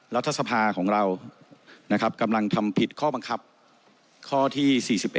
รัฐสภาของเรานะครับกำลังทำผิดข้อบังคับข้อที่๔๑